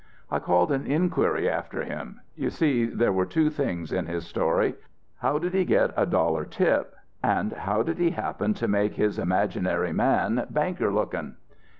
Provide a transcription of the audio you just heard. I called an inquiry after him.... You see there were two things in his story: How did he get a dollar tip, and how did he happen to make his imaginary man banker looking?